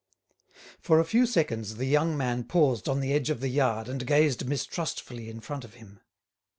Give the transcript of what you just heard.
For a few seconds the young man paused on the edge of the yard and gazed mistrustfully in front of him.